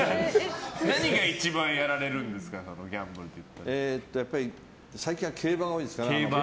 何が一番やられるんですか最近は競馬が多いですね。